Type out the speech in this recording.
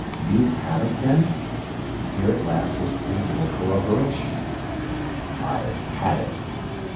"You have it, then?" Here at last was tangible corroboration. "I had it.